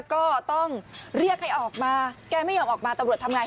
ก็ต้องเรียกให้ออกมาแกไม่ยอมออกมาตำรวจทำไง